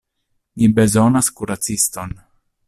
Mi bezonas kuraciston.